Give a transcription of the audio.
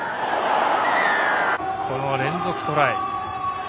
この連続トライ。